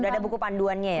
udah ada buku panduannya ya